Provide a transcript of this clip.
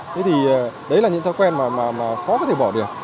thế thì đấy là những thói quen mà khó có thể bỏ được